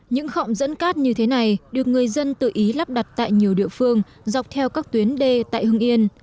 những khọng dẫn cát như thế này được người dân tự ý lắp đặt tại nhiều địa phương dọc theo các tuyến đê tại hưng yên